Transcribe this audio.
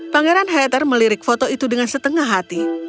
pangeran hatter melirik foto itu dengan setengah hati